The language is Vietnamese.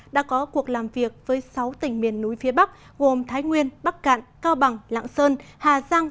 đã có cuộc làm việc với sáu tỉnh miền núi phía bắc gồm thái nguyên bắc cạn cao bằng lạng sơn hà giang